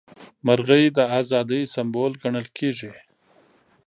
مرغۍ د ازادۍ سمبول ګڼل کیږي.